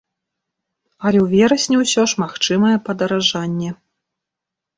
Але ў верасні ўсё ж магчымае падаражанне.